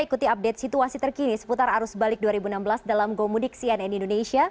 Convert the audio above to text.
ikuti update situasi terkini seputar arus balik dua ribu enam belas dalam gomudik cnn indonesia